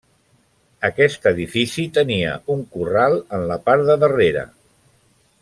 Aquest edifici tenia un corral en la part de darrere.